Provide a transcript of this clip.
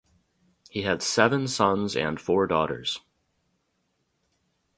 He had seven sons and four daughters.